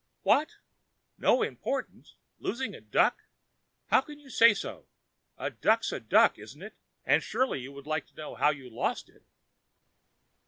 "What, no importance! losing a duck? How can you say so? A duck's a duck, isn't it, and surely you would like to know how you lost it?"